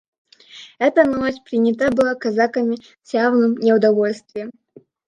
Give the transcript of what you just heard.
Эта новость принята была казаками с явным неудовольствием.